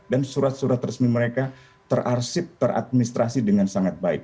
dan surat surat resmi mereka terarsip teradministrasi dengan sangat baik